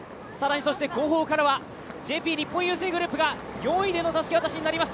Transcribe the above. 後方からはＪＰ日本郵政グループが４位でのたすき渡しとなります。